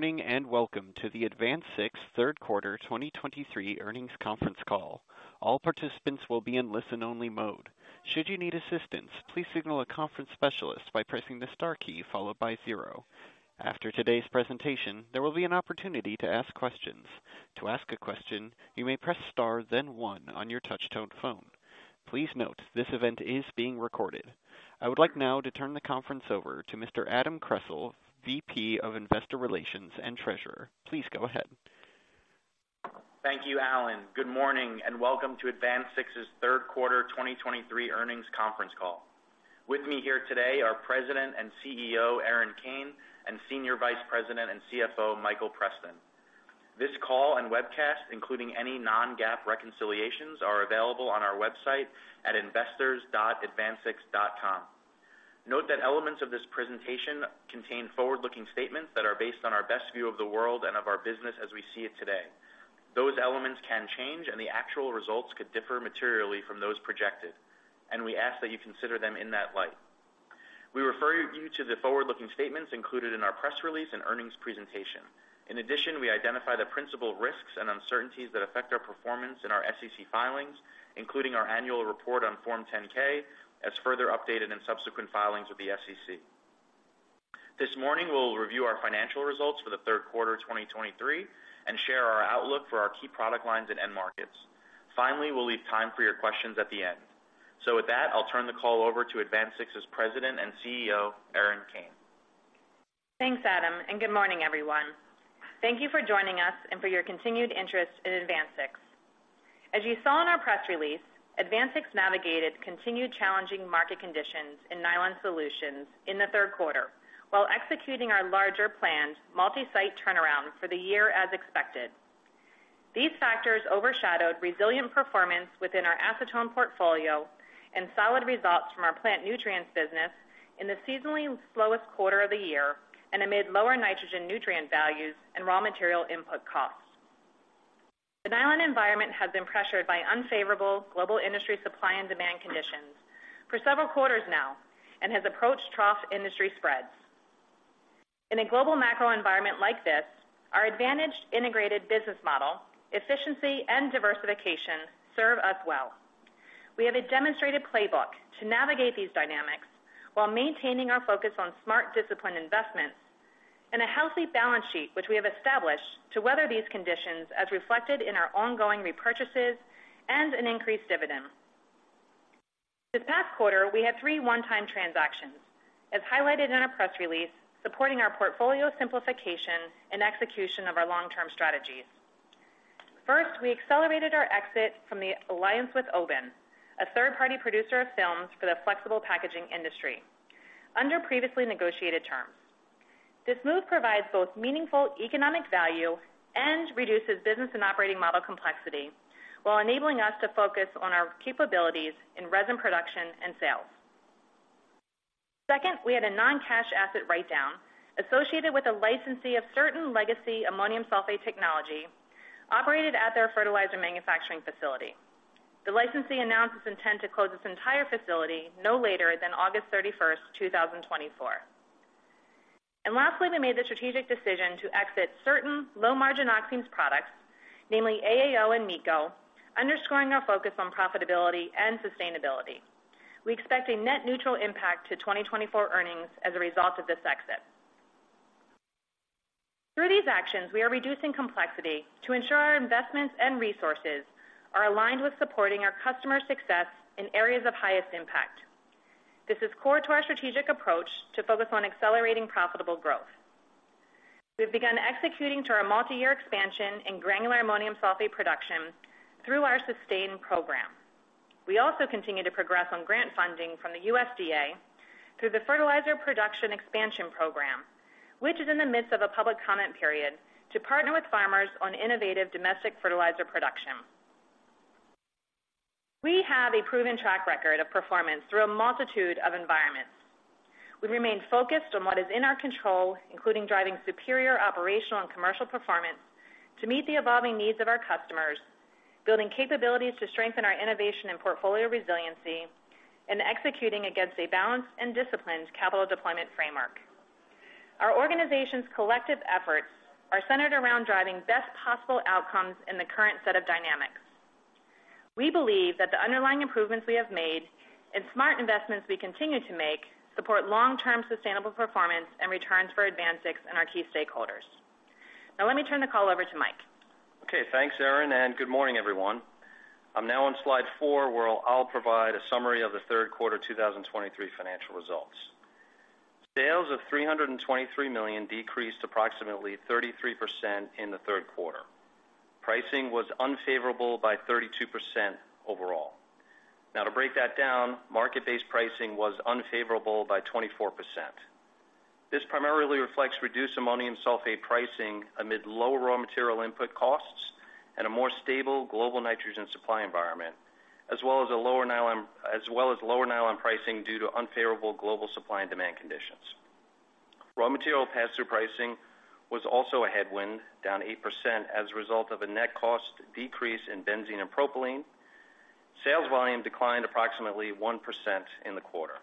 Good morning, and welcome to the AdvanSix third quarter 2023 earnings conference call. All participants will be in listen-only mode. Should you need assistance, please signal a conference specialist by pressing the star key followed by 0. After today's presentation, there will be an opportunity to ask questions. To ask a question, you may press star, then one on your touch-tone phone. Please note, this event is being recorded. I would like now to turn the conference over to Mr. Adam Kressel, VP of Investor Relations and Treasurer. Please go ahead. Thank you, Alan. Good morning, and welcome to AdvanSix's third quarter 2023 earnings conference call. With me here today are President and CEO, Erin Kane, and Senior Vice President and CFO, Michael Preston. This call and webcast, including any non-GAAP reconciliations, are available on our website at investors.advansix.com. Note that elements of this presentation contain forward-looking statements that are based on our best view of the world and of our business as we see it today. Those elements can change, and the actual results could differ materially from those projected, and we ask that you consider them in that light. We refer you to the forward-looking statements included in our press release and earnings presentation. In addition, we identify the principal risks and uncertainties that affect our performance in our SEC filings, including our annual report on Form 10-K, as further updated in subsequent filings with the SEC. This morning, we'll review our financial results for the third quarter of 2023 and share our outlook for our key product lines and end markets. Finally, we'll leave time for your questions at the end. So with that, I'll turn the call over to AdvanSix's President and CEO, Erin Kane. Thanks, Adam, and good morning, everyone. Thank you for joining us and for your continued interest in AdvanSix. As you saw in our press release, AdvanSix navigated continued challenging market conditions in nylon solutions in the third quarter, while executing our larger planned multi-site turnaround for the year as expected. These factors overshadowed resilient performance within our acetone portfolio and solid results from our Plant Nutrients business in the seasonally slowest quarter of the year and amid lower nitrogen nutrient values and raw material input costs. The nylon environment has been pressured by unfavorable global industry supply and demand conditions for several quarters now and has approached trough industry spreads. In a global macro environment like this, our advantaged integrated business model, efficiency and diversification serve us well. We have a demonstrated playbook to navigate these dynamics while maintaining our focus on smart, disciplined investments and a healthy balance sheet, which we have established to weather these conditions, as reflected in our ongoing repurchases and an increased dividend. This past quarter, we had three one-time transactions, as highlighted in our press release, supporting our portfolio simplification and execution of our long-term strategies. First, we accelerated our exit from the alliance with Oben, a third-party producer of films for the flexible packaging industry, under previously negotiated terms. This move provides both meaningful economic value and reduces business and operating model complexity, while enabling us to focus on our capabilities in resin production and sales. Second, we had a non-cash asset write-down associated with a licensee of certain legacy ammonium sulfate technology operated at their fertilizer manufacturing facility. The licensee announced its intent to close its entire facility no later than August 31st, 2024. Lastly, we made the strategic decision to exit certain low-margin oximes products, namely AAO and MEKO, underscoring our focus on profitability and sustainability. We expect a net neutral impact to 2024 earnings as a result of this exit. Through these actions, we are reducing complexity to ensure our investments and resources are aligned with supporting our customer success in areas of highest impact. This is core to our strategic approach to focus on accelerating profitable growth. We've begun executing to our multi-year expansion in granular ammonium sulfate production through our SUSTAIN Program. We also continue to progress on grant funding from the USDA through the Fertilizer Production Expansion Program, which is in the midst of a public comment period, to partner with farmers on innovative domestic fertilizer production. We have a proven track record of performance through a multitude of environments. We remain focused on what is in our control, including driving superior operational and commercial performance to meet the evolving needs of our customers, building capabilities to strengthen our innovation and portfolio resiliency, and executing against a balanced and disciplined capital deployment framework. Our organization's collective efforts are centered around driving best possible outcomes in the current set of dynamics. We believe that the underlying improvements we have made and smart investments we continue to make, support long-term sustainable performance and returns for AdvanSix and our key stakeholders. Now, let me turn the call over to Mike. Okay, thanks, Erin, and good morning, everyone. I'm now on slide four, where I'll provide a summary of the third quarter of 2023 financial results. Sales of $323 million decreased approximately 33% in the third quarter. Pricing was unfavorable by 32% overall. Now, to break that down, market-based pricing was unfavorable by 24%. This primarily reflects reduced ammonium sulfate pricing amid lower raw material input costs and a more stable global nitrogen supply environment, as well as lower nylon pricing due to unfavorable global supply and demand conditions. Raw material pass-through pricing was also a headwind, down 8% as a result of a net cost decrease in benzene and propylene... Sales volume declined approximately 1% in the quarter.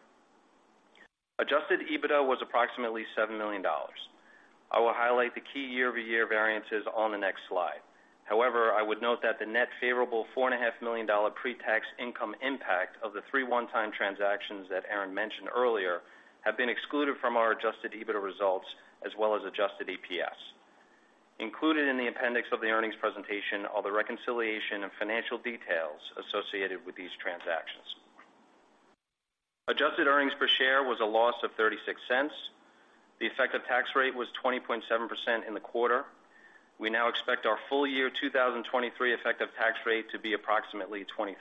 Adjusted EBITDA was approximately $7 million. I will highlight the key year-over-year variances on the next slide. However, I would note that the net favorable $4.5 million pre-tax income impact of the three one-time transactions that Erin mentioned earlier, have been excluded from our adjusted EBITDA results, as well as adjusted EPS. Included in the appendix of the earnings presentation are the reconciliation and financial details associated with these transactions. Adjusted earnings per share was a loss of $0.36. The effective tax rate was 20.7% in the quarter. We now expect our full year 2023 effective tax rate to be approximately 23%.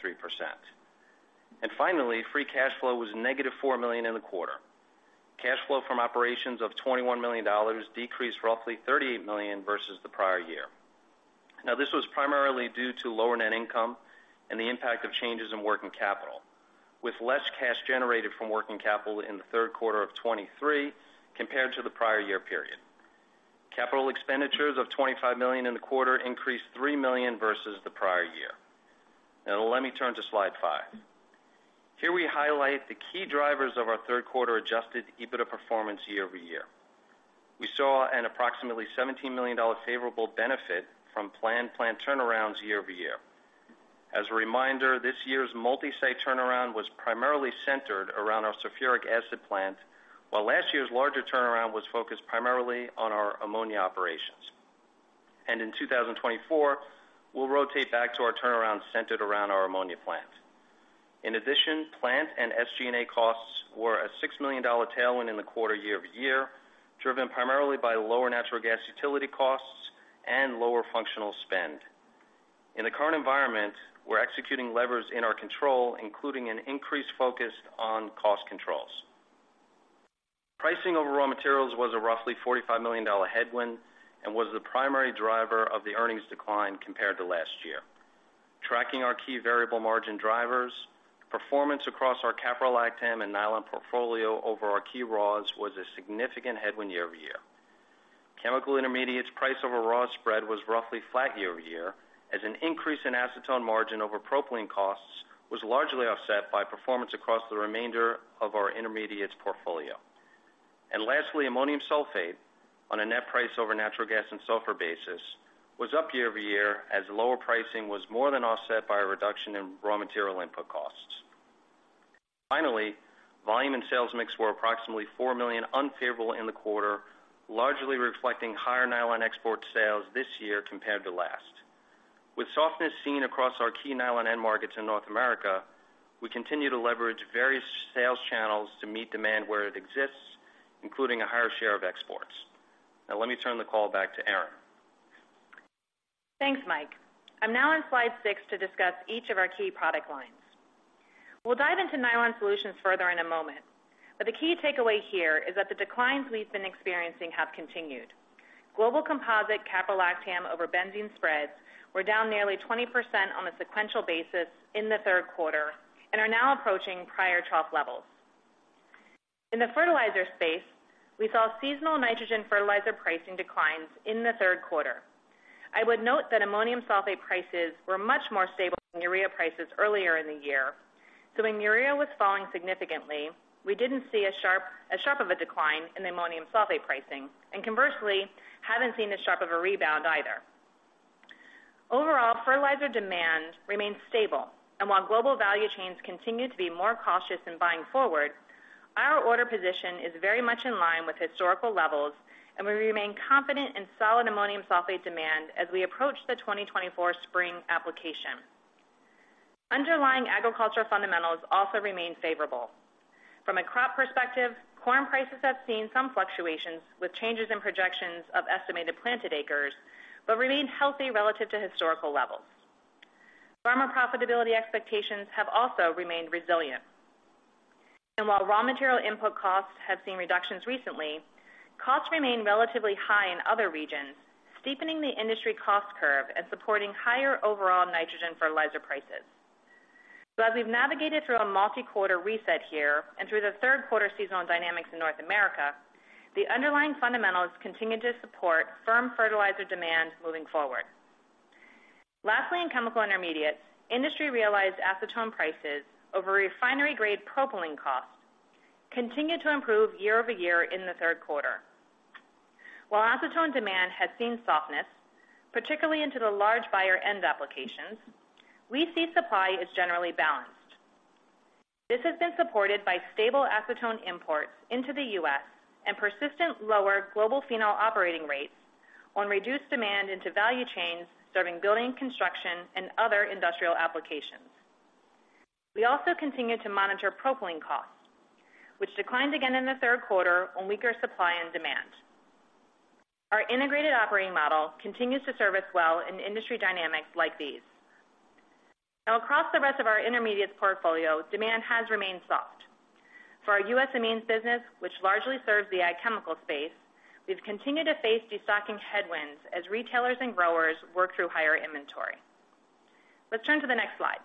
Finally, free cash flow was -$4 million in the quarter. Cash flow from operations of $21 million decreased roughly $38 million versus the prior year. Now, this was primarily due to lower net income and the impact of changes in working capital, with less cash generated from working capital in the third quarter of 2023 compared to the prior year period. Capital expenditures of $25 million in the quarter increased $3 million versus the prior year. Now, let me turn to slide five. Here we highlight the key drivers of our third quarter adjusted EBITDA performance year-over-year. We saw an approximately $17 million favorable benefit from planned plant turnarounds year-over-year. As a reminder, this year's multi-site turnaround was primarily centered around our sulfuric acid plant, while last year's larger turnaround was focused primarily on our ammonia operations. And in 2024, we'll rotate back to our turnaround centered around our ammonia plant. In addition, plant and SG&A costs were a $6 million tailwind in the quarter year-over-year, driven primarily by lower natural gas utility costs and lower functional spend. In the current environment, we're executing levers in our control, including an increased focus on cost controls. Pricing over raw materials was a roughly $45 million headwind and was the primary driver of the earnings decline compared to last year. Tracking our key variable margin drivers, performance across our caprolactam and nylon portfolio over our key raws was a significant headwind year-over-year. Chemical Intermediates price over raw spread was roughly flat year-over-year, as an increase in acetone margin over propylene costs was largely offset by performance across the remainder of our intermediates portfolio. Lastly, ammonium sulfate, on a net price over natural gas and sulfur basis, was up year-over-year as lower pricing was more than offset by a reduction in raw material input costs. Finally, volume and sales mix were approximately $4 million unfavorable in the quarter, largely reflecting higher nylon export sales this year compared to last. With softness seen across our key nylon end markets in North America, we continue to leverage various sales channels to meet demand where it exists, including a higher share of exports. Now, let me turn the call back to Erin. Thanks, Mike. I'm now on slide six to discuss each of our key product lines. We'll dive into nylon solutions further in a moment, but the key takeaway here is that the declines we've been experiencing have continued. Global composite caprolactam over benzene spreads were down nearly 20% on a sequential basis in the third quarter and are now approaching prior trough levels. In the fertilizer space, we saw seasonal nitrogen fertilizer pricing declines in the third quarter. I would note that ammonium sulfate prices were much more stable than urea prices earlier in the year. So when urea was falling significantly, we didn't see as sharp of a decline in ammonium sulfate pricing, and conversely, haven't seen as sharp of a rebound either. Overall, fertilizer demand remains stable, and while global value chains continue to be more cautious in buying forward, our order position is very much in line with historical levels, and we remain confident in solid ammonium sulfate demand as we approach the 2024 spring application. Underlying agriculture fundamentals also remain favorable. From a crop perspective, corn prices have seen some fluctuations, with changes in projections of estimated planted acres, but remained healthy relative to historical levels. Farmer profitability expectations have also remained resilient. While raw material input costs have seen reductions recently, costs remain relatively high in other regions, steepening the industry cost curve and supporting higher overall nitrogen fertilizer prices. As we've navigated through a multi-quarter reset here and through the third quarter seasonal dynamics in North America, the underlying fundamentals continue to support firm fertilizer demand moving forward. Lastly, in chemical intermediates, industry realized acetone prices over refinery-grade propylene costs continued to improve year-over-year in the third quarter. While acetone demand has seen softness, particularly into the large buyer end applications, we see supply is generally balanced. This has been supported by stable acetone imports into the U.S. and persistent lower global phenol operating rates on reduced demand into value chains serving building, construction, and other industrial applications. We also continue to monitor propylene costs, which declined again in the third quarter on weaker supply and demand. Our integrated operating model continues to serve us well in industry dynamics like these. Now, across the rest of our intermediates portfolio, demand has remained soft. For our U.S. amines business, which largely serves the ag chemical space, we've continued to face destocking headwinds as retailers and growers work through higher inventory. Let's turn to the next slide.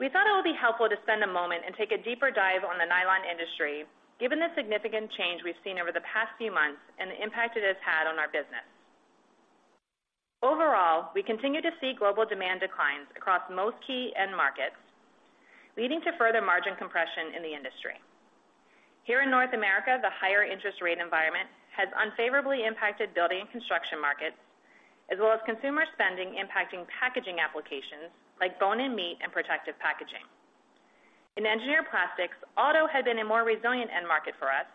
We thought it would be helpful to spend a moment and take a deeper dive on the nylon industry, given the significant change we've seen over the past few months and the impact it has had on our business. Overall, we continue to see global demand declines across most key end markets, leading to further margin compression in the industry. Here in North America, the higher interest rate environment has unfavorably impacted building and construction markets, as well as consumer spending, impacting packaging applications like bone-in meat and protective packaging. In engineered plastics, auto had been a more resilient end market for us.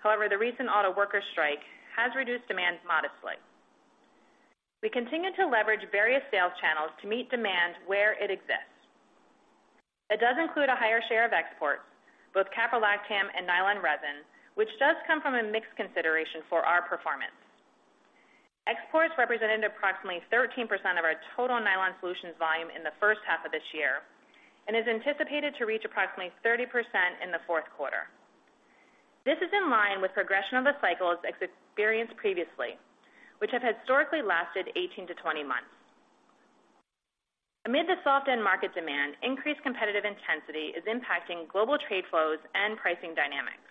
However, the recent auto worker strike has reduced demand modestly. We continue to leverage various sales channels to meet demand where it exists. It does include a higher share of exports, both caprolactam and nylon resin, which does come from a mixed consideration for our performance. Exports represented approximately 13% of our total nylon solutions volume in the first half of this year, and is anticipated to reach approximately 30% in the fourth quarter. This is in line with progression of the cycles experienced previously, which have historically lasted 18-20 months. Amid the soft end market demand, increased competitive intensity is impacting global trade flows and pricing dynamics.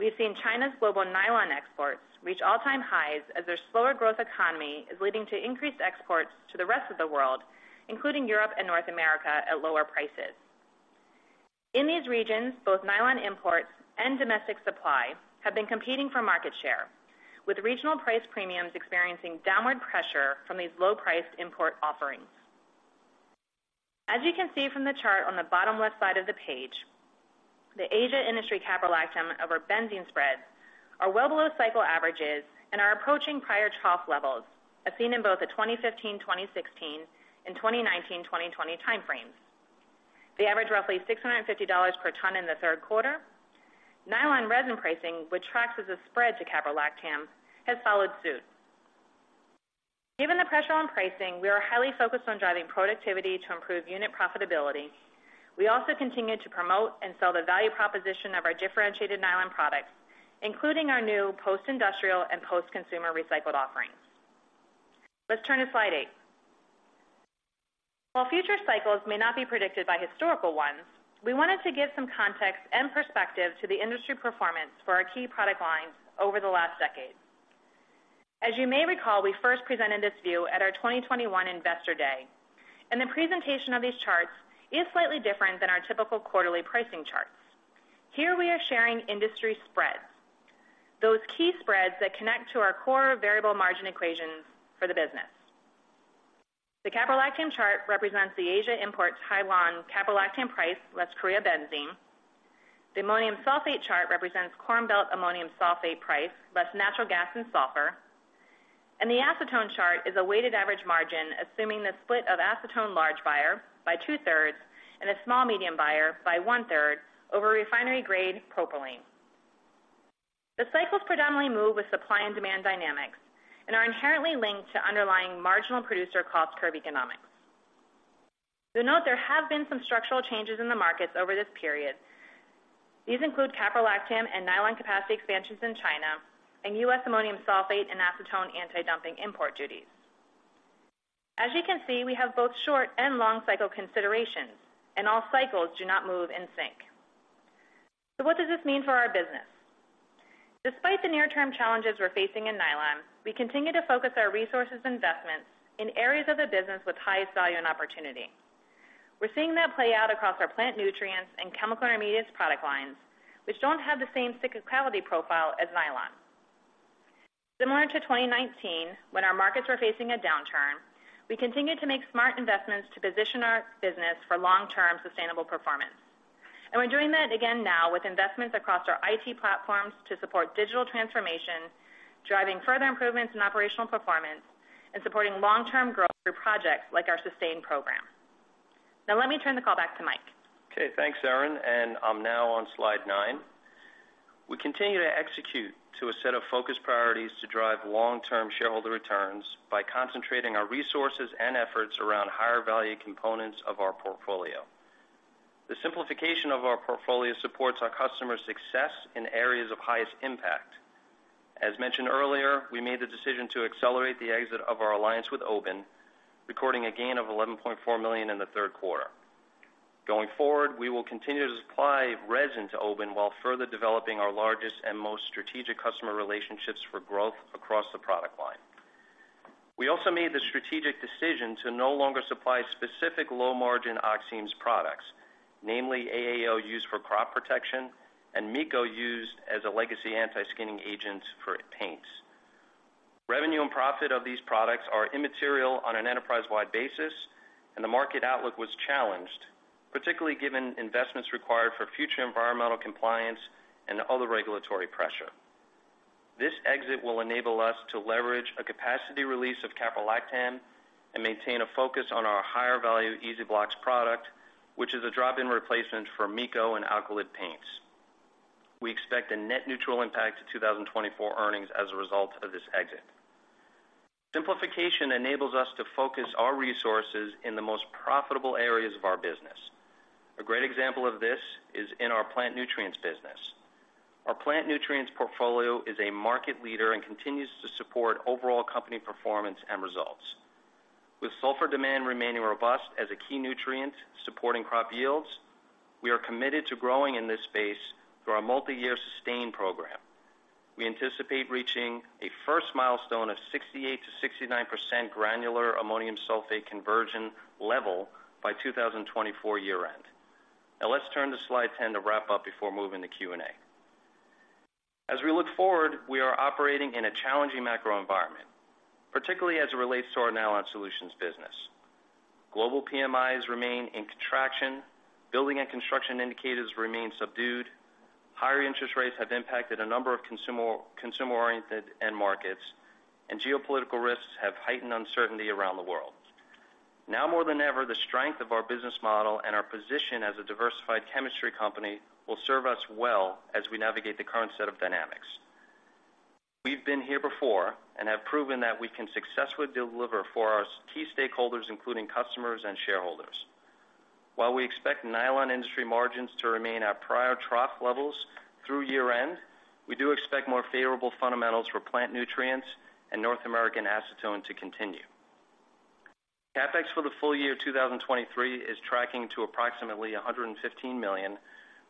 We've seen China's global nylon exports reach all-time highs, as their slower growth economy is leading to increased exports to the rest of the world, including Europe and North America, at lower prices. In these regions, both nylon imports and domestic supply have been competing for market share, with regional price premiums experiencing downward pressure from these low-priced import offerings. As you can see from the chart on the bottom left side of the page, the Asia industry caprolactam over benzene spreads are well below cycle averages and are approaching prior trough levels, as seen in both the 2015, 2016, and 2019, 2020 time frames. They average roughly $650 per ton in the third quarter. Nylon resin pricing, which tracks as a spread to caprolactam, has followed suit. Given the pressure on pricing, we are highly focused on driving productivity to improve unit profitability. We also continue to promote and sell the value proposition of our differentiated nylon products, including our new post-industrial and post-consumer recycled offerings. Let's turn to slide eight. While future cycles may not be predicted by historical ones, we wanted to give some context and perspective to the industry performance for our key product lines over the last decade. As you may recall, we first presented this view at our 2021 Investor Day, and the presentation of these charts is slightly different than our typical quarterly pricing charts. Here we are sharing industry spreads, those key spreads that connect to our core variable margin equations for the business. The caprolactam chart represents the Asia imports, Taiwan caprolactam price, less Korea benzene. The ammonium sulfate chart represents Corn Belt ammonium sulfate price, less natural gas and sulfur. The acetone chart is a weighted average margin, assuming the split of acetone large buyer by 2/3 and a small, medium buyer by 1/3 over refinery grade propylene. The cycles predominantly move with supply and demand dynamics and are inherently linked to underlying marginal producer cost curve economics. So note there have been some structural changes in the markets over this period. These include caprolactam and nylon capacity expansions in China and U.S. ammonium sulfate and acetone anti-dumping import duties. As you can see, we have both short and long cycle considerations, and all cycles do not move in sync. So what does this mean for our business? Despite the near-term challenges we're facing in nylon, we continue to focus our resources and investments in areas of the business with highest value and opportunity. We're seeing that play out across our plant nutrients and chemical intermediates product lines, which don't have the same cyclicality profile as nylon. Similar to 2019, when our markets were facing a downturn, we continued to make smart investments to position our business for long-term sustainable performance, and we're doing that again now with investments across our IT platforms to support digital transformation, driving further improvements in operational performance and supporting long-term growth through projects like our SUSTAIN program. Now let me turn the call back to Mike. Okay, thanks, Erin, and I'm now on slide nine. We continue to execute to a set of focus priorities to drive long-term shareholder returns by concentrating our resources and efforts around higher value components of our portfolio. The simplification of our portfolio supports our customers' success in areas of highest impact. As mentioned earlier, we made the decision to accelerate the exit of our alliance with Oben, recording a gain of $11.4 million in the third quarter. Going forward, we will continue to supply resin to Oben, while further developing our largest and most strategic customer relationships for growth across the product line. We also made the strategic decision to no longer supply specific low-margin oximes products, namely AAO, used for crop protection, and MEKO, used as a legacy anti-skinning agent for paints. Revenue and profit of these products are immaterial on an enterprise-wide basis, and the market outlook was challenged, particularly given investments required for future environmental compliance and other regulatory pressure. This exit will enable us to leverage a capacity release of caprolactam and maintain a focus on our higher value EZ-Blox product, which is a drop-in replacement for MEKO and alkylate paints. We expect a net neutral impact to 2024 earnings as a result of this exit. Simplification enables us to focus our resources in the most profitable areas of our business. A great example of this is in our plant nutrients business. Our Plant Nutrients portfolio is a market leader and continues to support overall company performance and results. With sulfur demand remaining robust as a key nutrient supporting crop yields, we are committed to growing in this space through our multiyear SUSTAIN program. We anticipate reaching a first milestone of 68%-69% granular ammonium sulfate conversion level by 2024 year-end. Now let's turn to slide 10 to wrap up before moving to Q&A. As we look forward, we are operating in a challenging macro environment, particularly as it relates to our Nylon Solutions business. Global PMIs remain in contraction, building and construction indicators remain subdued, higher interest rates have impacted a number of consumer, consumer-oriented end markets, and geopolitical risks have heightened uncertainty around the world. Now more than ever, the strength of our business model and our position as a diversified chemistry company will serve us well as we navigate the current set of dynamics. We've been here before and have proven that we can successfully deliver for our key stakeholders, including customers and shareholders. While we expect nylon industry margins to remain at prior trough levels through year-end, we do expect more favorable fundamentals for Plant Nutrients and North American Acetone to continue. CapEx for the full year 2023 is tracking to approximately $115 million,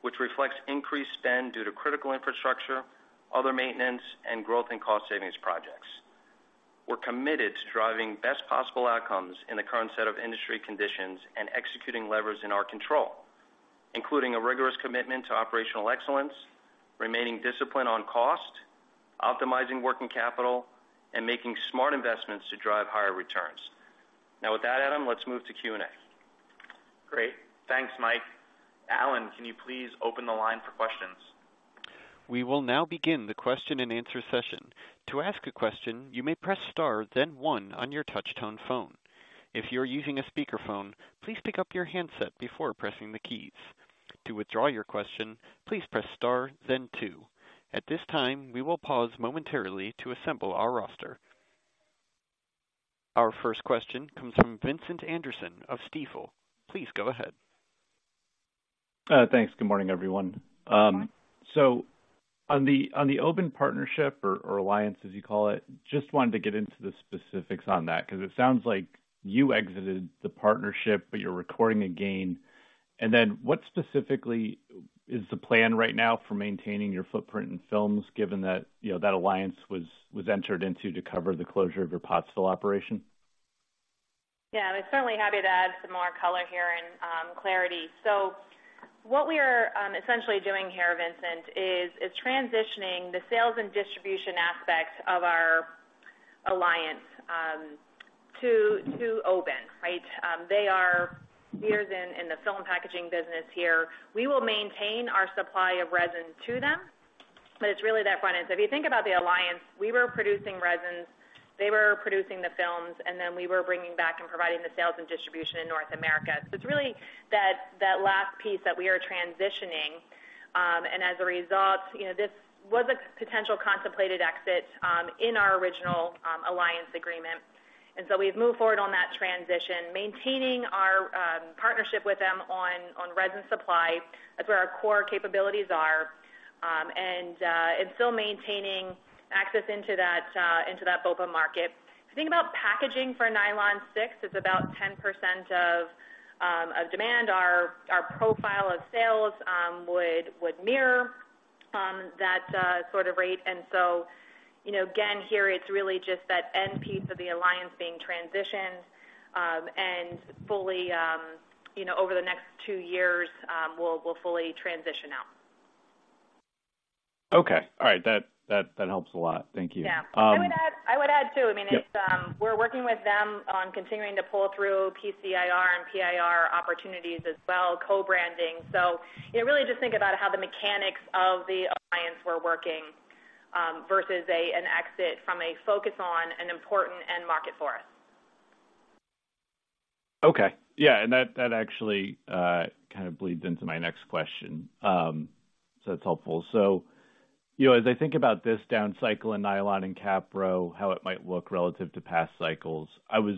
which reflects increased spend due to critical infrastructure, other maintenance, and growth and cost savings projects. We're committed to driving best possible outcomes in the current set of industry conditions and executing levers in our control, including a rigorous commitment to operational excellence, remaining disciplined on cost, optimizing working capital, and making smart investments to drive higher returns. Now, with that, Adam, let's move to Q&A. Great. Thanks, Mike. Alan, can you please open the line for questions? We will now begin the question-and-answer session. To ask a question, you may press star, then one on your touch-tone phone. If you're using a speakerphone, please pick up your handset before pressing the keys. To withdraw your question, please press star, then two. At this time, we will pause momentarily to assemble our roster. Our first question comes from Vincent Anderson of Stifel. Please go ahead. Thanks. Good morning, everyone. So on the Oben partnership or alliance, as you call it, just wanted to get into the specifics on that, because it sounds like you exited the partnership, but you're recording a gain. And then what specifically is the plan right now for maintaining your footprint in films, given that, you know, that alliance was entered into to cover the closure of your Pottsville operation? Yeah, I'm certainly happy to add some more color here and clarity. So what we are essentially doing here, Vincent, is transitioning the sales and distribution aspects of our alliance to Oben, right? They are years in the film packaging business here. We will maintain our supply of resin to them, but it's really that front end. So if you think about the alliance, we were producing resins, they were producing the films, and then we were bringing back and providing the sales and distribution in North America. So it's really that last piece that we are transitioning. And as a result, you know, this was a potential contemplated exit in our original alliance agreement. And so we've moved forward on that transition, maintaining our partnership with them on resin supply. That's where our core capabilities are, and still maintaining access into that BOPP market. If you think about packaging for Nylon 6, it's about 10% of demand. Our profile of sales would mirror that sort of rate. And so, you know, again, here, it's really just that end piece of the alliance being transitioned, and fully, you know, over the next two years, we'll fully transition out. Okay. All right. That helps a lot. Thank you. Yeah. Um- I would add, too, I mean- Yep. We're working with them on continuing to pull through PCIR and PIR opportunities as well, co-branding. So, you know, really just think about how the mechanics of the alliance were working, versus an exit from a focus on an important end market for us. Okay. Yeah, and that actually kind of bleeds into my next question. So it's helpful. So, you know, as I think about this down cycle in nylon and capro, how it might look relative to past cycles, I was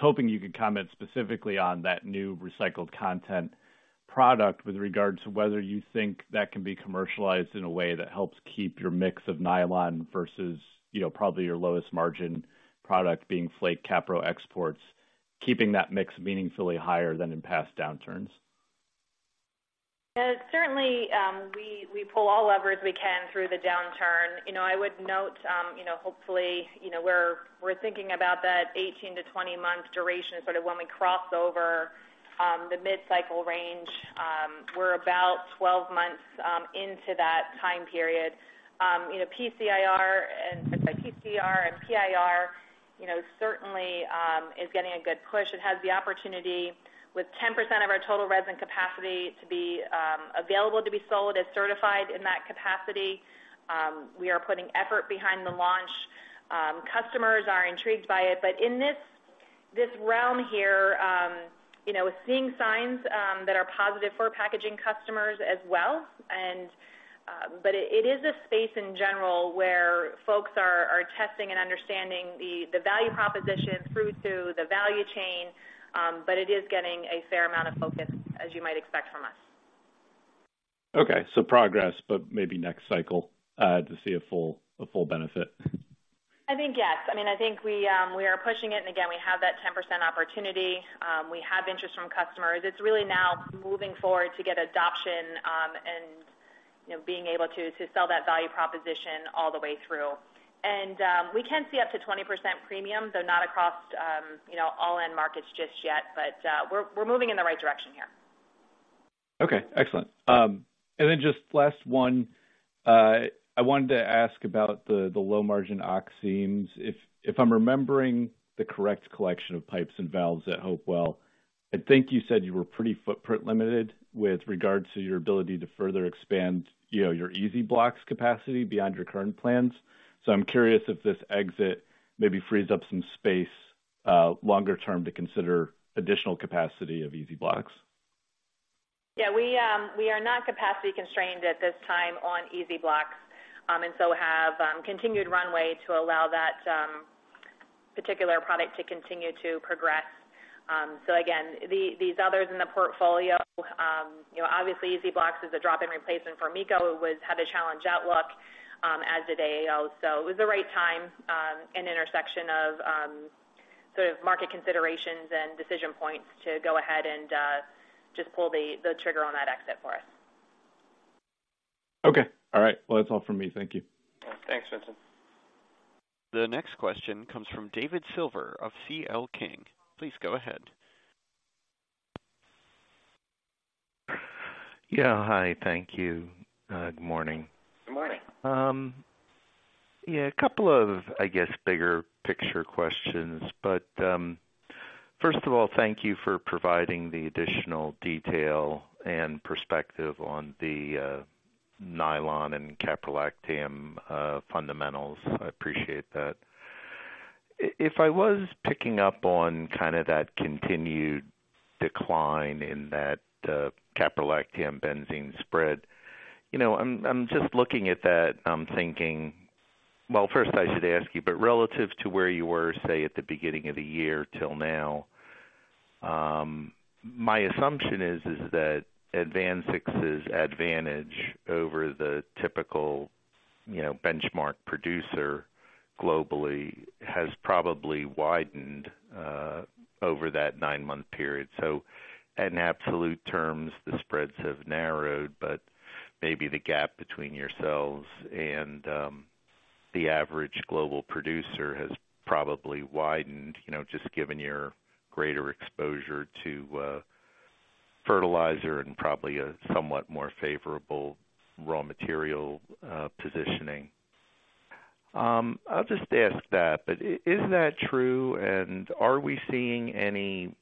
hoping you could comment specifically on that new recycled content product with regards to whether you think that can be commercialized in a way that helps keep your mix of nylon versus, you know, probably your lowest margin product being flake capro exports, keeping that mix meaningfully higher than in past downturns. Yeah, certainly, we pull all levers we can through the downturn. You know, I would note, you know, hopefully, you know, we're thinking about that 18-20 month duration, sort of when we cross over the mid-cycle range. We're about 12 months into that time period. You know, PCIR and things like PCIR and PIR, you know, certainly is getting a good push. It has the opportunity, with 10% of our total resin capacity to be available to be sold as certified in that capacity. We are putting effort behind the launch. Customers are intrigued by it, but in this realm here, you know, we're seeing signs that are positive for packaging customers as well. It is a space in general where folks are testing and understanding the value proposition through to the value chain, but it is getting a fair amount of focus, as you might expect from us.... Okay, so progress, but maybe next cycle to see a full benefit? I think, yes. I mean, I think we are pushing it, and again, we have that 10% opportunity. We have interest from customers. It's really now moving forward to get adoption, and, you know, being able to, to sell that value proposition all the way through. And, we can see up to 20% premium, though not across, you know, all end markets just yet, but, we're, we're moving in the right direction here. Okay, excellent. And then just last one. I wanted to ask about the low-margin oximes. If I'm remembering the correct collection of pipes and valves at Hopewell, I think you said you were pretty footprint limited with regards to your ability to further expand, you know, your EZ-Blox capacity beyond your current plans. So I'm curious if this exit maybe frees up some space longer term to consider additional capacity of EZ-Blox. Yeah, we are not capacity constrained at this time on EZ-Blox, and so have continued runway to allow that particular product to continue to progress. So again, these others in the portfolio, you know, obviously EZ-Blox is a drop-in replacement for MEKO, which had a challenged outlook, as did AAO. So it was the right time, and intersection of sort of market considerations and decision points to go ahead and just pull the trigger on that exit for us. Okay. All right. Well, that's all for me. Thank you. Thanks, Vincent. The next question comes from David Silver of CL King. Please go ahead. Yeah. Hi, thank you. Good morning. Good morning. Yeah, a couple of, I guess, bigger picture questions, but first of all, thank you for providing the additional detail and perspective on the nylon and caprolactam fundamentals. I appreciate that. If I was picking up on kind of that continued decline in that caprolactam/benzene spread, you know, I'm just looking at that, I'm thinking... Well, first I should ask you, but relative to where you were, say, at the beginning of the year till now, my assumption is that AdvanSix's advantage over the typical, you know, benchmark producer globally has probably widened over that nine-month period. So in absolute terms, the spreads have narrowed, but maybe the gap between yourselves and the average global producer has probably widened, you know, just given your greater exposure to fertilizer and probably a somewhat more favorable raw material positioning. I'll just ask that, but is that true, and are we seeing any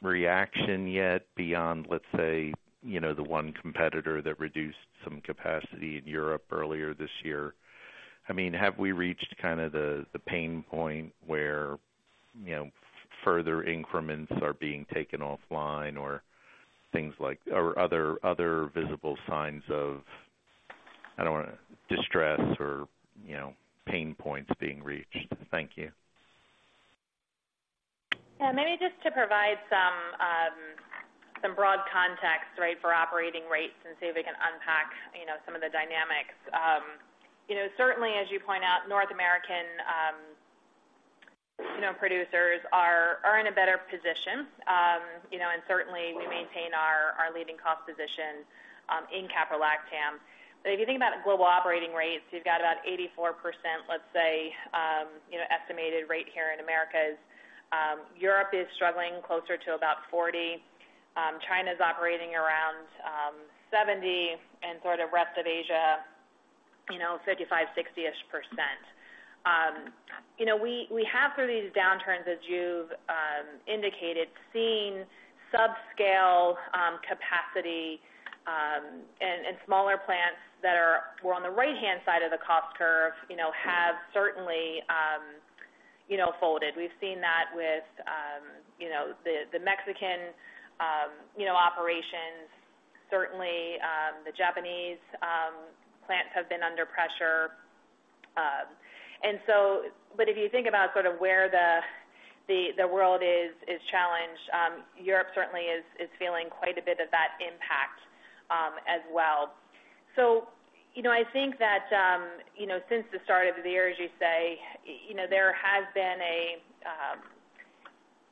reaction yet beyond, let's say, you know, the one competitor that reduced some capacity in Europe earlier this year? I mean, have we reached kind of the, the pain point where, you know, further increments are being taken offline or things like- or other, other visible signs of, I don't want to- distress or, you know, pain points being reached? Thank you. Yeah, maybe just to provide some broad context, right, for operating rates and see if we can unpack, you know, some of the dynamics. You know, certainly, as you point out, North American, you know, producers are in a better position. You know, and certainly we maintain our leading cost position in caprolactam. But if you think about global operating rates, you've got about 84%, let's say, you know, estimated rate here in Americas. Europe is struggling closer to about 40%. China's operating around 70%, and sort of rest of Asia, you know, 55-60-ish%. You know, we have through these downturns, as you've indicated, seen subscale capacity and smaller plants that were on the right-hand side of the cost curve, you know, have certainly, you know, folded. We've seen that with, you know, the Mexican, you know, operations. Certainly, the Japanese plants have been under pressure. And so, but if you think about sort of where the world is challenged, Europe certainly is feeling quite a bit of that impact, as well. So, you know, I think that, you know, since the start of the year, as you say, you know, there has been a,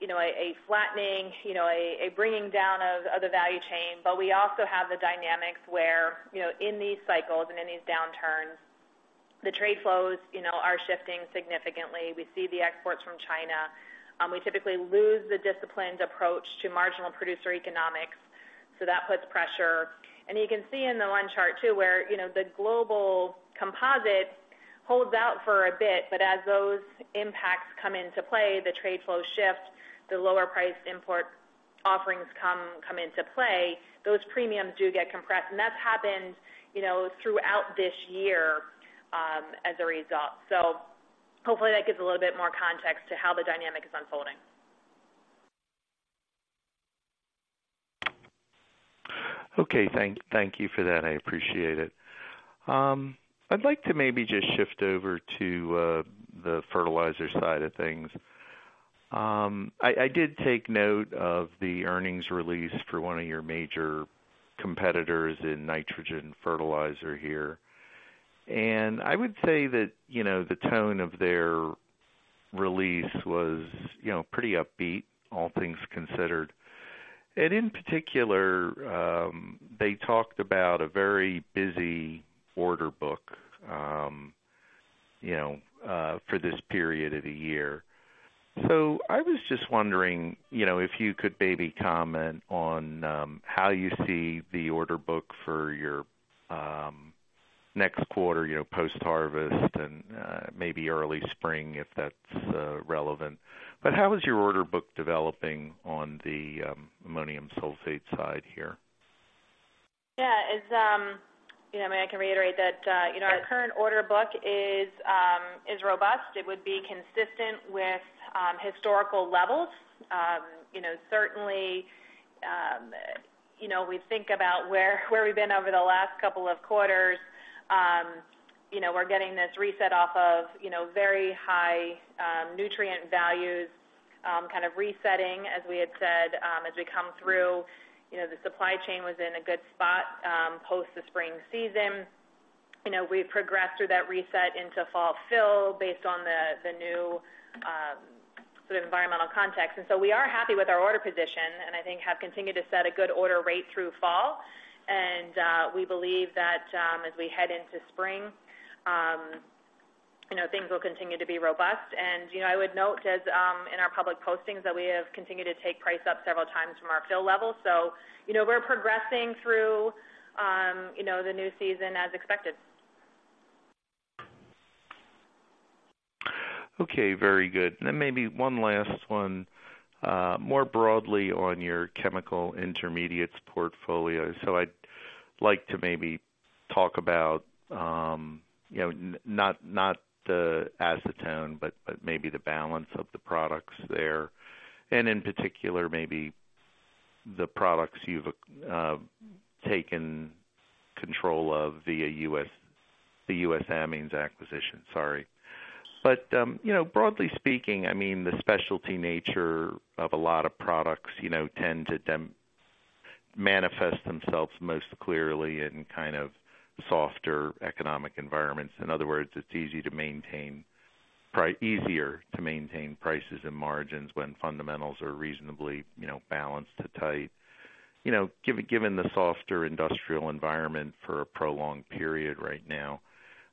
you know, a flattening, you know, a bringing down of the value chain. But we also have the dynamics where, you know, in these cycles and in these downturns, the trade flows, you know, are shifting significantly. We see the exports from China. We typically lose the disciplined approach to marginal producer economics, so that puts pressure. And you can see in the one chart, too, where, you know, the global composite holds out for a bit, but as those impacts come into play, the trade flows shift, the lower priced import offerings come into play, those premiums do get compressed, and that's happened, you know, throughout this year, as a result. So hopefully, that gives a little bit more context to how the dynamic is unfolding. Okay. Thank you for that. I appreciate it. I'd like to maybe just shift over to the fertilizer side of things. I did take note of the earnings release for one of your major competitors in nitrogen fertilizer here, and I would say that, you know, the tone of their release was, you know, pretty upbeat, all things considered. And in particular, they talked about a very busy order book, you know, for this period of the year. So I was just wondering, you know, if you could maybe comment on how you see the order book for your next quarter, you know, post-harvest and maybe early spring, if that's relevant. But how is your order book developing on the ammonium sulfate side here? Yeah, it's, you know, I mean, I can reiterate that, you know, our current order book is robust. It would be consistent with historical levels. You know, certainly, you know, we think about where we've been over the last couple of quarters. You know, we're getting this reset off of, you know, very high nutrient values, kind of resetting, as we had said, as we come through. You know, the supply chain was in a good spot post the spring season. You know, we've progressed through that reset into fall fill based on the new sort of environmental context. And so we are happy with our order position and I think have continued to set a good order rate through fall. We believe that, as we head into spring, you know, things will continue to be robust. And, you know, I would note as, in our public postings, that we have continued to take price up several times from our fill level. So, you know, we're progressing through, you know, the new season as expected. Okay, very good. Then maybe one last one, more broadly on your chemical intermediates portfolio. So I'd like to maybe talk about, you know, not, not the acetone, but, but maybe the balance of the products there, and in particular, maybe the products you've taken control of via U.S., the U.S. Amines acquisition. Sorry. But, you know, broadly speaking, I mean, the specialty nature of a lot of products, you know, tend to manifest themselves most clearly in kind of softer economic environments. In other words, it's easier to maintain prices and margins when fundamentals are reasonably, you know, balanced to tight. You know, given the softer industrial environment for a prolonged period right now,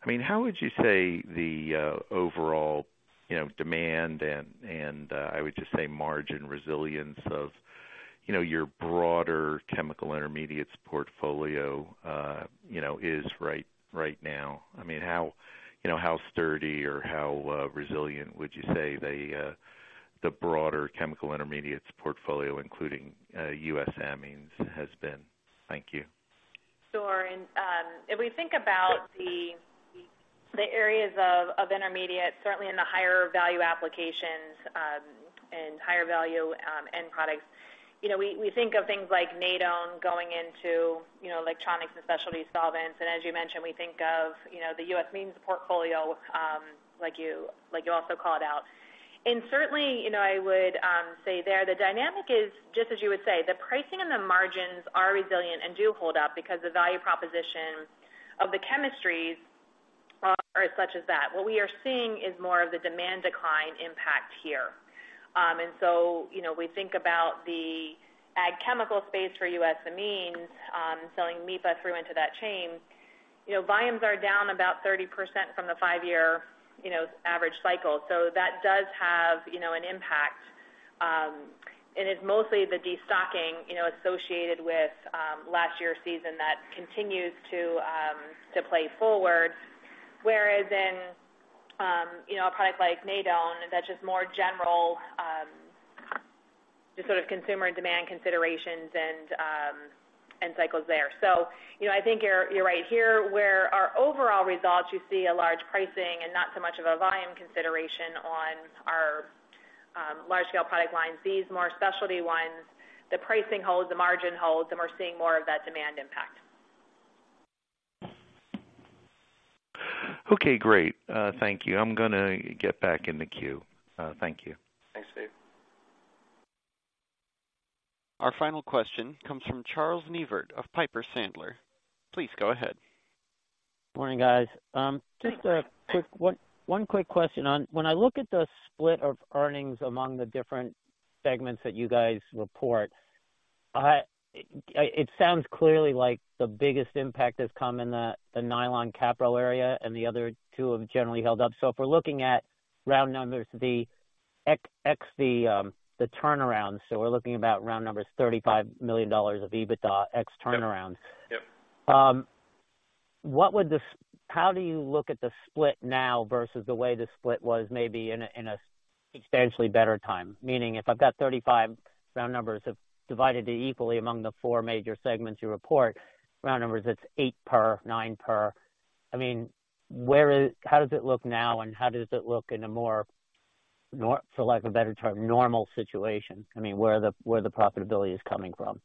I mean, how would you say the overall, you know, demand and I would just say margin resilience of, you know, your broader chemical intermediates portfolio, you know, is right now? I mean, how, you know, how sturdy or how resilient would you say the broader chemical intermediates portfolio, including U.S. Amines, has been? Thank you. Sure. And if we think about the areas of intermediates, certainly in the higher value applications and higher value end products, you know, we think of things like Nadone going into, you know, electronics and specialty solvents. And as you mentioned, we think of, you know, the U.S. Amines portfolio, like you also called out. And certainly, you know, I would say there, the dynamic is just as you would say, the pricing and the margins are resilient and do hold up because the value proposition of the chemistries are as such as that. What we are seeing is more of the demand decline impact here. And so, you know, we think about the ag chemical space for U.S. Amines, selling MIPA through into that chain. You know, volumes are down about 30% from the five-year, you know, average cycle. So that does have, you know, an impact. It's mostly the destocking, you know, associated with last year's season that continues to play forward. Whereas in, you know, a product like Nadone, that's just more general just sort of consumer demand considerations and cycles there. So, you know, I think you're right here, where our overall results, you see a large pricing and not so much of a volume consideration on our large scale product lines. These more specialty ones, the pricing holds, the margin holds, and we're seeing more of that demand impact. Okay, great. Thank you. I'm gonna get back in the queue. Thank you. Thanks, Steve. Our final question comes from Charles Neivert of Piper Sandler. Please go ahead. Morning, guys. Just a quick question on when I look at the split of earnings among the different segments that you guys report, it sounds clearly like the biggest impact has come in the nylon caprol area, and the other two have generally held up. So if we're looking at round numbers, the ex, the turnaround, so we're looking about round numbers, $35 million of EBITDA ex turnaround. Yep. How do you look at the split now versus the way the split was maybe in a substantially better time? Meaning, if I've got 35 round numbers divided equally among the four major segments you report, round numbers, it's eight per, nine per. I mean, how does it look now, and how does it look in a more, for lack of a better term, normal situation? I mean, where the profitability is coming from?...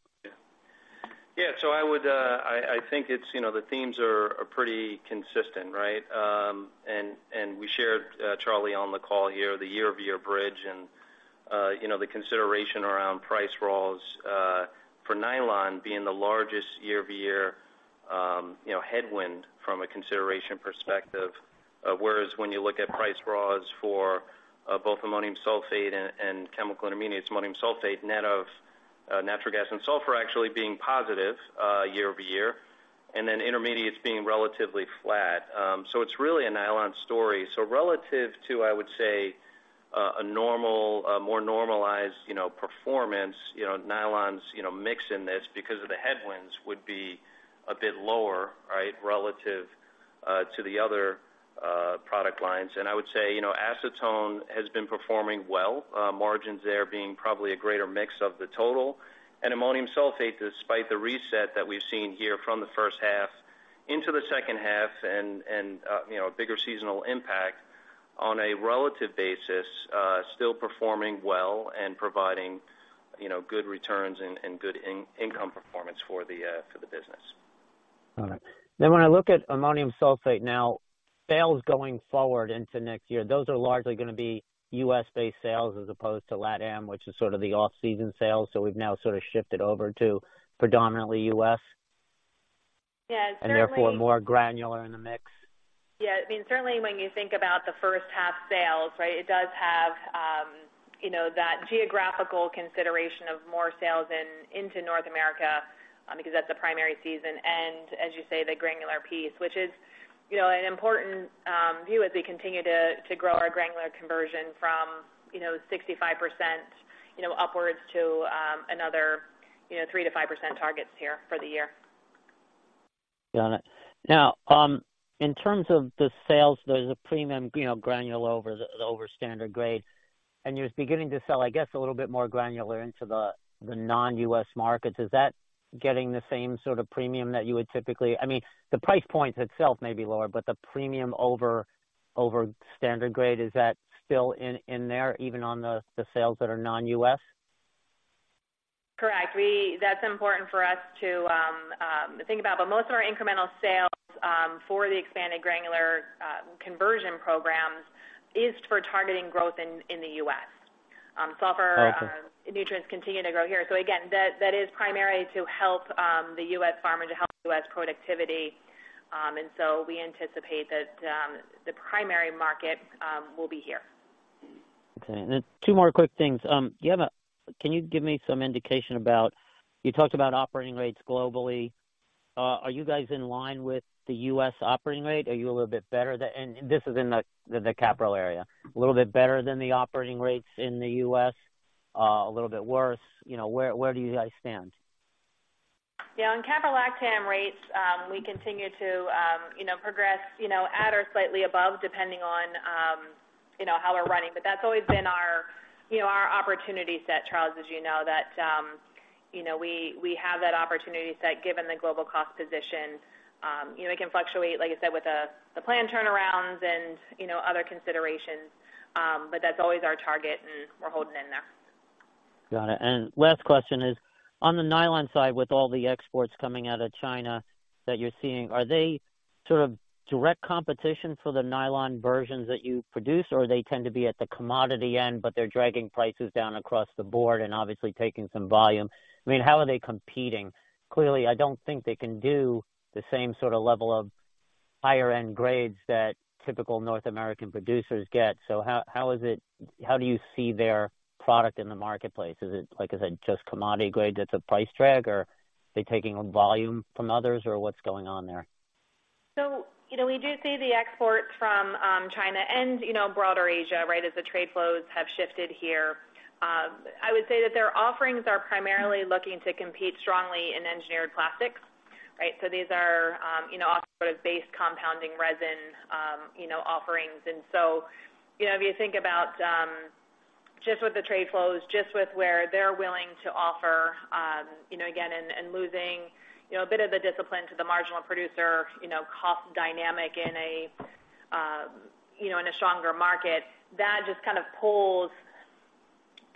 Yeah, so I would, I think it's, you know, the themes are pretty consistent, right? And we shared, Charlie, on the call here, the year-over-year bridge, and, you know, the consideration around price raws for nylon being the largest year-over-year, you know, headwind from a consideration perspective. Whereas when you look at price raws for both ammonium sulfate and chemical intermediates, ammonium sulfate, net of natural gas and sulfur actually being positive year-over-year, and then intermediates being relatively flat. So it's really a nylon story. So relative to, I would say, a more normalized, you know, performance, you know, nylon's, you know, mix in this, because of the headwinds, would be a bit lower, right, relative to the other product lines. I would say, you know, acetone has been performing well, margins there being probably a greater mix of the total. Ammonium sulfate, despite the reset that we've seen here from the first half into the second half and, you know, a bigger seasonal impact on a relative basis, still performing well and providing, you know, good returns and good income performance for the business. Got it. Then when I look at Ammonium Sulfate now, sales going forward into next year, those are largely gonna be U.S.-based sales as opposed to LATAM, which is sort of the off-season sales. So we've now sort of shifted over to predominantly U.S.? Yeah, certainly- Therefore, more granular in the mix. Yeah. I mean, certainly when you think about the first half sales, right, it does have, you know, that geographical consideration of more sales in, into North America, because that's the primary season, and as you say, the granular piece, which is, you know, an important, view as we continue to, to grow our granular conversion from, you know, 65%, you know, upwards to, another, you know, 3%-5% targets here for the year. Got it. Now, in terms of the sales, there's a premium, you know, granular over the, over standard grade, and you're beginning to sell, I guess, a little bit more granular into the, the non-U.S. markets. Is that getting the same sort of premium that you would typically... I mean, the price points itself may be lower, but the premium over, over standard grade, is that still in, in there, even on the, the sales that are non-U.S.? Correct. That's important for us to think about, but most of our incremental sales for the expanded granular conversion programs is for targeting growth in the U.S. Sulfur- Okay. Nutrients continue to grow here. So again, that, that is primary to help the U.S. farmer, to help U.S. productivity. And so we anticipate that the primary market will be here. Okay. And then two more quick things. Can you give me some indication about, you talked about operating rates globally. Are you guys in line with the U.S. operating rate? Are you a little bit better than, and this is in the, the caprolactam area, a little bit better than the operating rates in the U.S., a little bit worse? You know, where, where do you guys stand? Yeah, on caprolactam rates, we continue to, you know, progress, you know, at or slightly above, depending on, you know, how we're running. But that's always been our, you know, our opportunity set, Charles, as you know, that, you know, we, we have that opportunity set given the global cost position. You know, it can fluctuate, like I said, with the, the plant turnarounds and, you know, other considerations. But that's always our target, and we're holding in there. Got it. And last question is, on the nylon side, with all the exports coming out of China that you're seeing, are they sort of direct competition for the nylon versions that you produce, or they tend to be at the commodity end, but they're dragging prices down across the board and obviously taking some volume? I mean, how are they competing? Clearly, I don't think they can do the same sort of level of higher end grades that typical North American producers get. So how is it, how do you see their product in the marketplace? Is it, like I said, just commodity grade that's a price drag, or are they taking volume from others, or what's going on there? So, you know, we do see the export from China and, you know, broader Asia, right, as the trade flows have shifted here. I would say that their offerings are primarily looking to compete strongly in engineered plastics, right? So these are, you know, sort of base compounding resin, you know, offerings. And so, you know, if you think about, just with the trade flows, just with where they're willing to offer, you know, again, and, and losing, you know, a bit of the discipline to the marginal producer, you know, cost dynamic in a, you know, in a stronger market, that just kind of pulls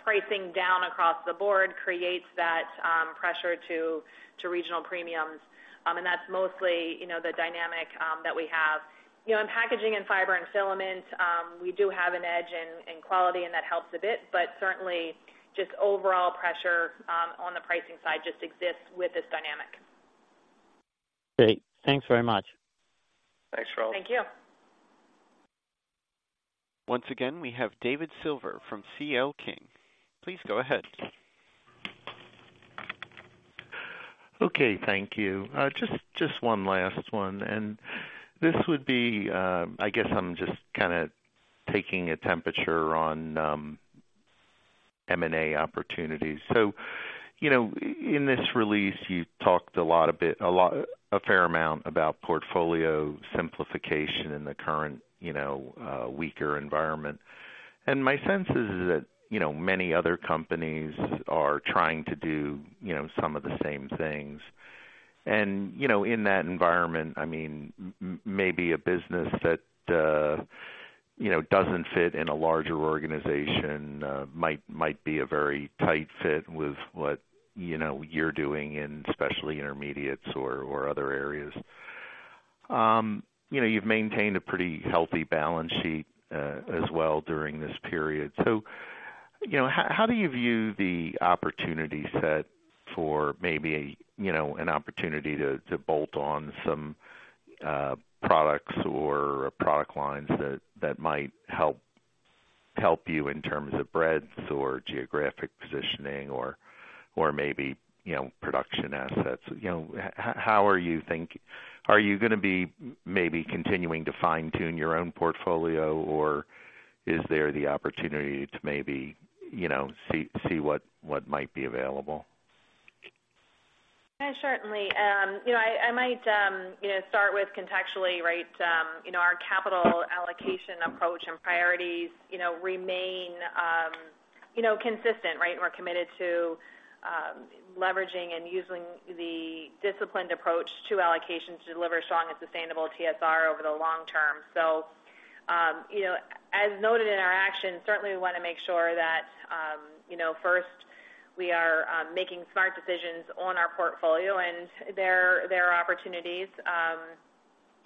pricing down across the board, creates that, pressure to, to regional premiums. And that's mostly, you know, the dynamic, that we have. You know, in packaging and fiber and filaments, we do have an edge in, in quality, and that helps a bit, but certainly just overall pressure, on the pricing side just exists with this dynamic. Great. Thanks very much. Thanks, Charles. Thank you. Once again, we have David Silver from CL King. Please go ahead. Okay, thank you. Just, just one last one, and this would be, I guess I'm just kind of taking a temperature on, M&A opportunities. So, you know, in this release, you talked a lot a bit, a lot, a fair amount about portfolio simplification in the current, you know, weaker environment. And my sense is that, you know, many other companies are trying to do, you know, some of the same things. And, you know, in that environment, I mean, maybe a business that, you know, doesn't fit in a larger organization, might, might be a very tight fit with what, you know, you're doing in specialty intermediates or, or other areas. You know, you've maintained a pretty healthy balance sheet, as well during this period. So, you know, how do you view the opportunity set for maybe, you know, an opportunity to bolt on some products or product lines that might help you in terms of breadth or geographic positioning or maybe, you know, production assets? You know, how are you thinking, are you gonna be maybe continuing to fine-tune your own portfolio, or is there the opportunity to maybe, you know, see what might be available? Yeah, certainly. You know, I might, you know, start with contextually, right? You know, our capital allocation approach and priorities, you know, remain, you know, consistent, right? And we're committed to leveraging and using the disciplined approach to allocations to deliver strong and sustainable TSR over the long term. So, you know, as noted in our actions, certainly we wanna make sure that, you know, first, we are making smart decisions on our portfolio, and there are opportunities,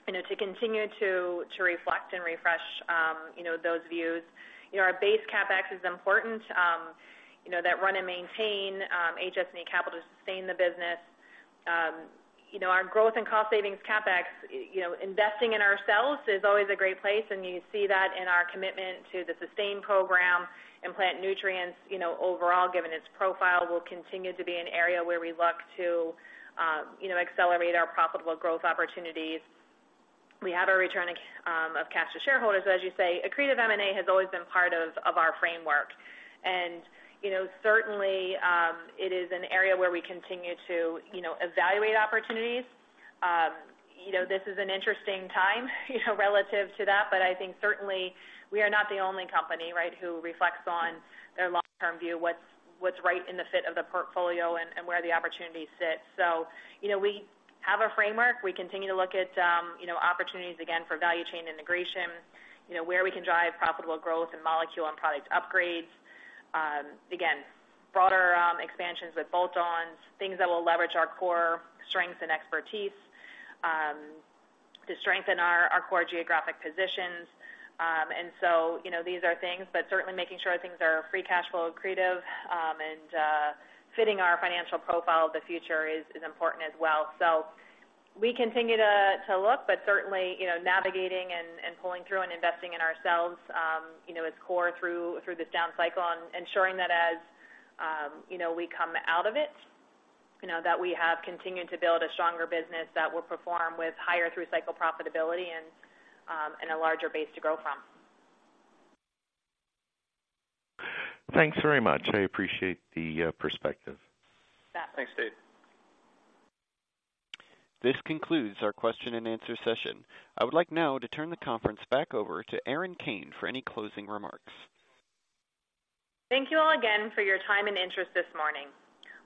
you know, to continue to reflect and refresh, you know, those views. You know, our base CapEx is important, you know, that run and maintain HS and capital to sustain the business. You know, our growth and cost savings CapEx, you know, investing in ourselves is always a great place, and you see that in our commitment to the SUSTAIN program and plant nutrients. You know, overall, given its profile, will continue to be an area where we look to, you know, accelerate our profitable growth opportunities. We have a return of cash to shareholders. As you say, accretive M&A has always been part of our framework. You know, certainly, it is an area where we continue to, you know, evaluate opportunities. You know, this is an interesting time, you know, relative to that, but I think certainly we are not the only company, right, who reflects on their long-term view, what's right in the fit of the portfolio and where the opportunities sit. You know, we have a framework. We continue to look at, you know, opportunities again for value chain integration, you know, where we can drive profitable growth and molecule and product upgrades. Again, broader, expansions with bolt-ons, things that will leverage our core strengths and expertise, to strengthen our, our core geographic positions. And so, you know, these are things, but certainly making sure things are free cash flow accretive, and, fitting our financial profile of the future is, is important as well. So we continue to look, but certainly, you know, navigating and pulling through and investing in ourselves, you know, is core through this down cycle and ensuring that as you know, we come out of it, you know, that we have continued to build a stronger business that will perform with higher through-cycle profitability and a larger base to grow from. Thanks very much. I appreciate the perspective. Yeah. Thanks, Dave. This concludes our question and answer session. I would like now to turn the conference back over to Erin Kane for any closing remarks. Thank you all again for your time and interest this morning.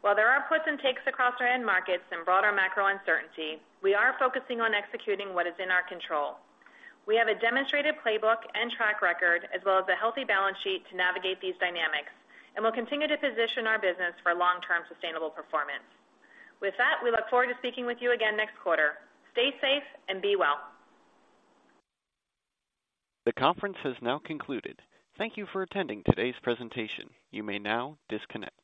While there are puts and takes across our end markets and broader macro uncertainty, we are focusing on executing what is in our control. We have a demonstrated playbook and track record, as well as a healthy balance sheet, to navigate these dynamics, and we'll continue to position our business for long-term sustainable performance. With that, we look forward to speaking with you again next quarter. Stay safe and be well. The conference has now concluded. Thank you for attending today's presentation. You may now disconnect.